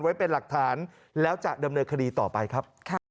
ไว้เป็นหลักฐานแล้วจะดำเนินคดีต่อไปครับ